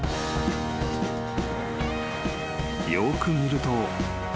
［よく見ると］